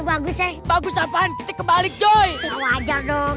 bagus bagus apaan kita kembali joy wajar dong